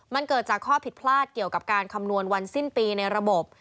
มันเกิดจากข้อผิดพลาดเกี่ยวกับการคำนวณวันสิ้นปีในระบบ